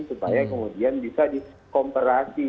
supaya kemudian bisa dikomparasi